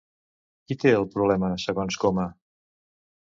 Qui té el problema segons Coma?